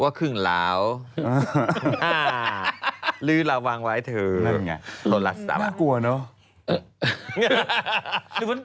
ว่าครึ่งเหล้าหรือระวังไว้เถอะนั่นไงโรลัสสาวะน่ากลัวเนอะ